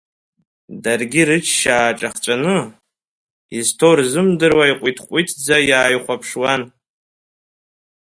Даргьы рычча ааҿахҵәаны, изҭоу рзымдыруа иҟәиҭ-ҟәиҭӡа иааихәаԥшуан.